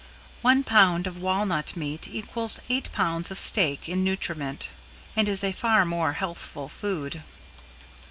One pound of walnut meat equals eight pounds of steak in nutriment and is a far more healthful food.